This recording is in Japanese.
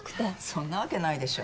そんなわけないでしょ。